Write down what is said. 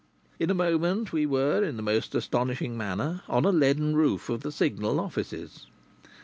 In a moment we were, in the most astonishing manner, on a leaden roof of the Signal offices.